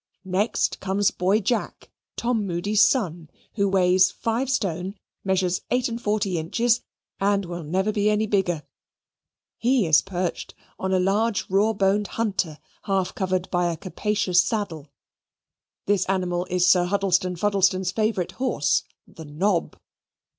Next comes boy Jack, Tom Moody's son, who weighs five stone, measures eight and forty inches, and will never be any bigger. He is perched on a large raw boned hunter, half covered by a capacious saddle. This animal is Sir Huddlestone Fuddlestone's favourite horse the Nob.